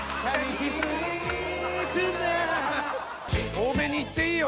多めにいっていいよ。